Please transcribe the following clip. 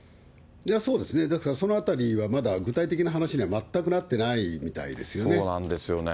そうですね、だから、そのあたりはまだ具体的な話には全くなそうなんですよね。